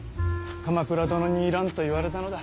鎌倉殿に要らんと言われたのだ。